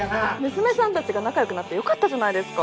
娘さんたちが仲良くなってよかったじゃないですか。